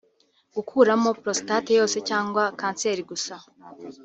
gukuramo prostate yose cyangwa kanseri gusa